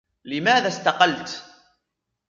لماذا استقلت ؟